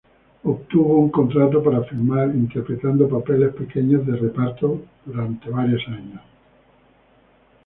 Obtuvo un contrato para filmar interpretando papeles pequeños de reparto por varios años.